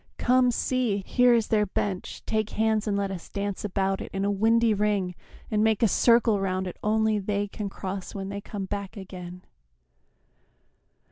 Come, see, Here is their bench, take hands and let us dance About it in a windy ring and make A circle round it only they can cross When they come back again!"